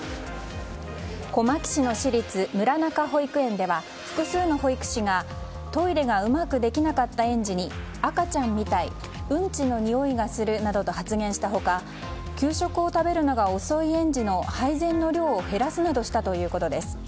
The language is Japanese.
小牧市の私立村中保育園では複数の保育士が、トイレがうまくできなかった園児に赤ちゃんみたいうんちのにおいがするなどと発言した他給食を食べるのが遅い園児の配膳の量を減らすなどしたということです。